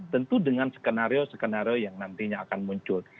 tentu dengan skenario skenario yang nantinya akan muncul